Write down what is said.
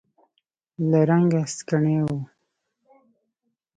له رنګ سکڼۍ و.